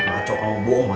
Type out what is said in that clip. kacau kamu bohong mah